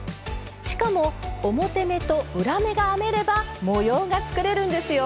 しかも表目と裏目が編めれば模様が作れるんですよ！